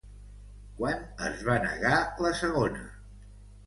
Quan es va negar la segona?